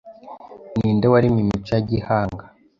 Ninde waremye imico ya gihanga